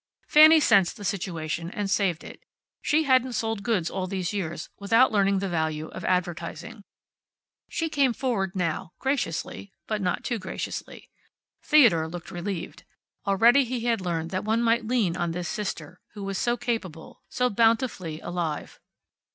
Fanny sensed the situation and saved it. She hadn't sold goods all these years without learning the value of advertising. She came forward now, graciously (but not too graciously). Theodore looked relieved. Already he had learned that one might lean on this sister who was so capable, so bountifully alive.